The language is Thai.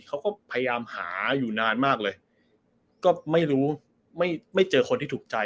เขาก็พยายามหาอยู่นานมากเลยก็ไม่รู้ไม่ไม่เจอคนที่ถูกใจ